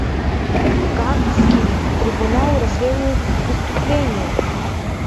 Гаагский трибунал расследует преступления.